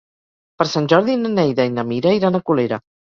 Per Sant Jordi na Neida i na Mira iran a Colera.